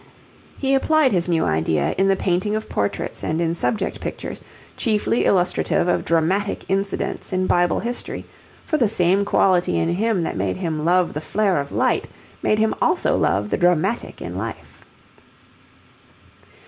He applied his new idea in the painting of portraits and in subject pictures, chiefly illustrative of dramatic incidents in Bible history, for the same quality in him that made him love the flare of light, made him also love the dramatic in life.